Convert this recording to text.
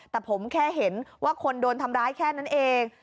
แต่ผมแค่เห็นว่าคนโดนทำร้ายแค่นั้นเอง